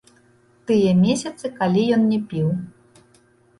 Тыя месяцы, калі ён не піў.